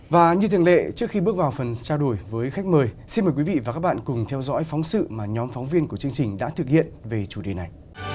và như thường lệ trước khi bước vào phần trao đổi với khách mời xin mời quý vị và các bạn cùng theo dõi phóng sự mà nhóm phóng viên của chương trình đã thực hiện về chủ đề này